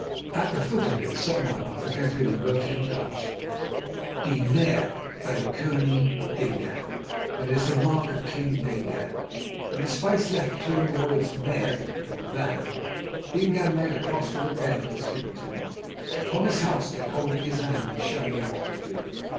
At the foot of it someone—I forget who—wrote in Dutch, "De merk van Koning Dingaan" [that is, The mark of King Dingaan.] In the space left between the words "merk" and "van" Dingaan made a cross with a pen that was given to him, Thomas Halstead holding his hand and showing him what to do.